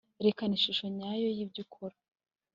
erekana ishusho nyayo yibyo ukora